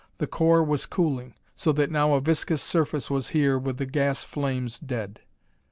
The core was cooling, so that now a viscous surface was here with the gas flames dead.